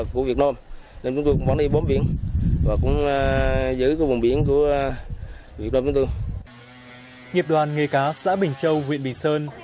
nhiệp đoàn nghề cá xã bình châu huyện bình sơn huyện bình sơn huyện bình sơn